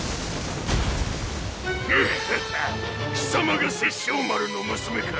ゲハハ貴様が殺生丸の娘か。